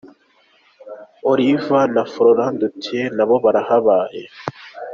Olivier na Florent Ndutiye na bo barahabaye.